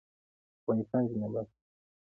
افغانستان زنده باد.